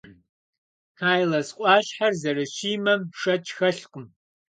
Кайлас ӏуащхьэр зэрыщимэм шэч хэлъкъым.